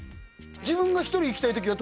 自分が１人行きたい時は？